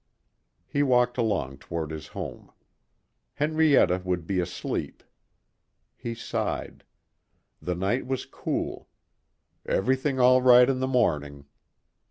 He walked along toward his home. Henrietta would be asleep. He sighed. The night was cool. Everything all right in the morning.